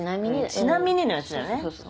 「ちなみに」のやつだよね。